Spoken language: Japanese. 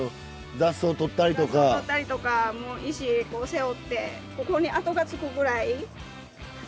雑草取ったりとか石こう背負ってここに跡がつくぐらい何往復もして。